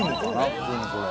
普通にこれ。